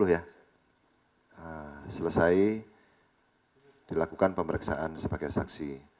sembilan belas tiga puluh ya selesai dilakukan pemeriksaan sebagai saksi